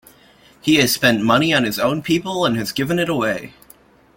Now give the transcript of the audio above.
He has spent money on his own people and has given it away.